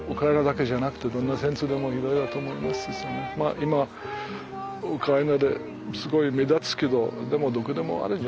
今はウクライナですごい目立つけどでもどこでもあるんじゃない。